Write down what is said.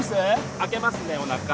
開けますねおなか